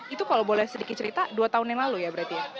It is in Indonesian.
itu kalau boleh sedikit cerita dua tahun yang lalu ya berarti ya